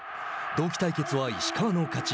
同期対決は石川の勝ち。